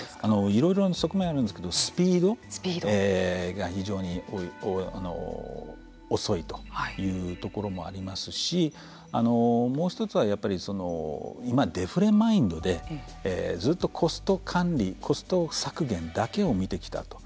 いろいろ側面はあるんですけどスピードが非常に遅いというところもありますしもう１つは今、デフレマインドでずっとコスト管理コスト削減だけを見てきたと。